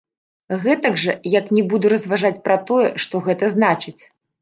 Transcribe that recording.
Гэтак жа, як не буду разважаць пра тое, што гэта значыць.